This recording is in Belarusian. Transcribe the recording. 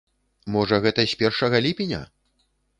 Можа гэта з першага ліпеня?